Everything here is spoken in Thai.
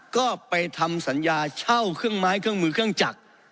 ก็ไปทำสัญญาเช่าเครื่องไม้เครื่องมือเครื่องจักร